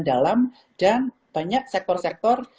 dalam dan banyak sektor sektor